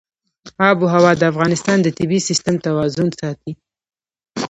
آب وهوا د افغانستان د طبعي سیسټم توازن ساتي.